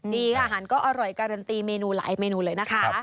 ดีค่ะอาหารก็อร่อยการันตีเมนูหลายเมนูเลยนะคะ